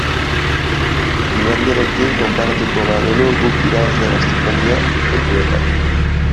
Finlandiarekin konparatuko bagenu guk irabazle gastronomia kontuetan.